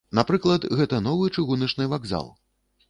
Напрыклад, гэта новы чыгуначны вакзал.